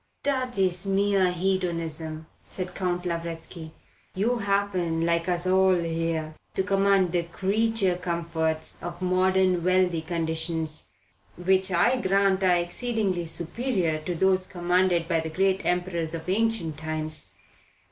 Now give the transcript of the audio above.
"That is mere hedonism," said Count Lavretsky. "You happen, like us all here, to command the creature comforts of modern wealthy conditions, which I grant are exceedingly superior to those commanded by the great Emperors of ancient times.